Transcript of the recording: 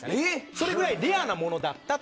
それぐらいレアなものだったと。